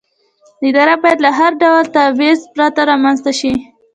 اداره باید له هر ډول تبعیض پرته رامنځته شي.